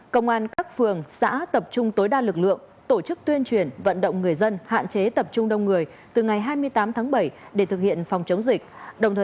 công an các phường xã tập trung tối đa lực lượng tổ chức tuyên truyền vận động người dân hạn chế tập trung đông người từ ngày hai mươi tám tháng bảy để thực hiện phòng chống dịch